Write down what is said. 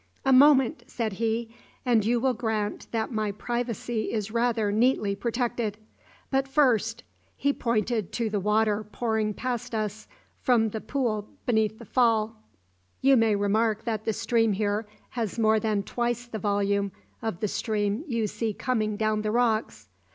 "A moment," said he, "and you will grant that my privacy is rather neatly protected. But first" he pointed to the water pouring past us from the pool beneath the fall "you may remark that the stream here has more than twice the volume of the stream you see coming down the rocks."